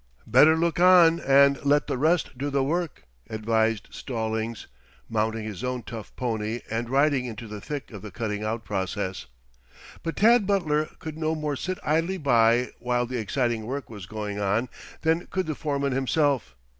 "Better look on and let the rest do the work," advised Stallings, mounting his own tough pony and riding into the thick of the cutting out process. But Tad Butler could no more sit idly by while the exciting work was going on than could the foreman himself.